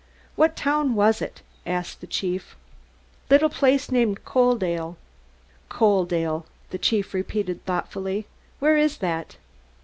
"What town was it?" asked the chief. "Little place named Coaldale." "Coaldale," the chief repeated thoughtfully. "Where is that?"